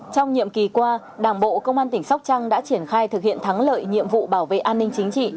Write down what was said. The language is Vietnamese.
trong nhiệm kỳ qua đảng bộ công an tỉnh sóc trăng đã triển khai thực hiện thắng lợi nhiệm vụ bảo vệ an ninh chính trị